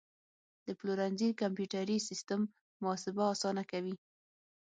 د پلورنځي کمپیوټري سیستم محاسبه اسانه کوي.